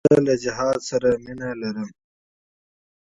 زه له جهاد سره مینه لرم.